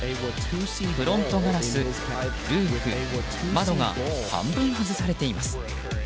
フロントガラス、ルーフ窓が半分外されています。